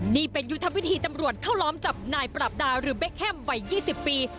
นี่เป็นยุทธวิธีตำรวมจับนายปราปดาหรือเบคแฮมไว้ยี่สิบปี